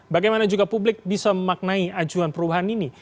bagaimana juga publik bisa memaknai ajuan perubahan ini